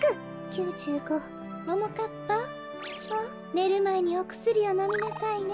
ねるまえにおくすりをのみなさいね。